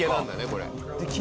これ。